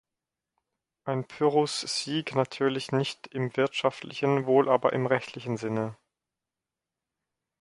Ein Pyrrhus-Sieg natürlich nicht im wirtschaftlichen, wohl aber im rechtlichen Sinne.